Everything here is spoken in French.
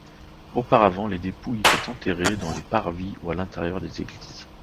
Auparavant les dépouilles étaient enterrées dans les parvis ou à l'intérieur des églises.